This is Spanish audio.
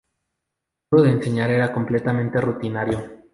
El modo de enseñar era completamente rutinario.